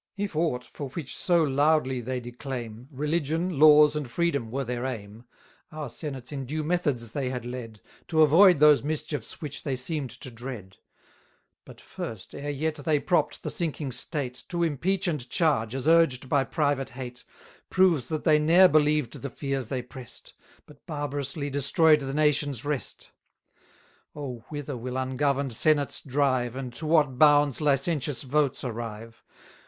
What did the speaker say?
If aught for which so loudly they declaim, Religion, laws, and freedom, were their aim, Our senates in due methods they had led, To avoid those mischiefs which they seem'd to dread: But first, e'er yet they propp'd the sinking state, To impeach and charge, as urged by private hate, Proves that they ne'er believed the fears they press'd, But barbarously destroy'd the nation's rest! 760 Oh! whither will ungovern'd senates drive, And to what bounds licentious votes arrive?